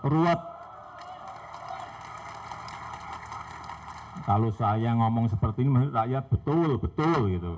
ruat kalau saya ngomong seperti ini rakyat betul betul